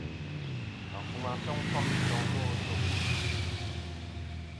Afuŋa fom i toŋ nô ajuŋ.